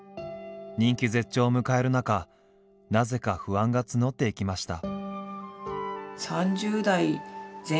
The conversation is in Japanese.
人気絶頂を迎える中なぜか不安が募っていきました。